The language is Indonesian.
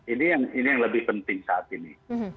ini yang lebih penting saat ini